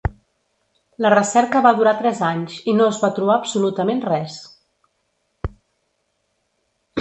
La recerca va durar tres anys i no es va trobar absolutament res.